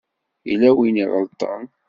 Yella win i iɣelṭen.